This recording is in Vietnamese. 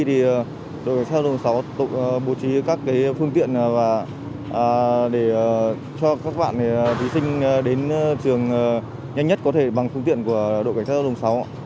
đội cảnh sát đồng sáu bố trí các phương tiện để cho các bạn thí sinh đến trường nhanh nhất có thể bằng phương tiện của đội cảnh sát đồng sáu